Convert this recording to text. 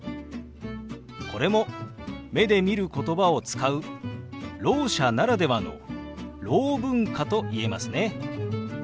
これも目で見ることばを使うろう者ならではのろう文化と言えますね。